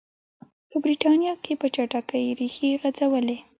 په برېټانیا کې په چټکۍ ریښې غځولې.